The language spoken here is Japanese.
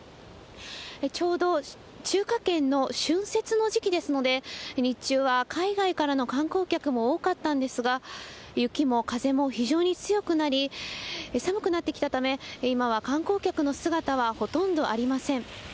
ちょうど中華圏の春節の時期ですので、日中は海外からの観光客も多かったんですが、雪も風も非常に強くなり、寒くなってきたため、今は観光客の姿はほとんどありません。